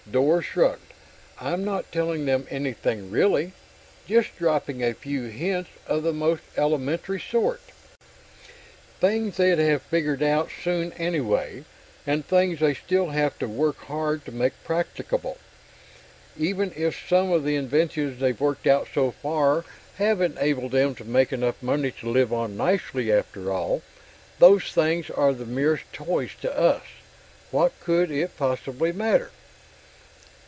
Dor shrugged. "I'm not telling them anything, really. Just dropping a few hints of the most elementary sort. Things they'd have figured out soon anyway and things they still have to work hard to make practicable. Even if some of the inventions they've worked out so far have enabled them to make enough money to live on nicely after all, those things are the merest toys to us what could it possibly matter?"